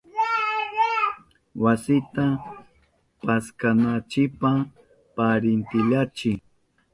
Wasita paskananchipa parintillanchi.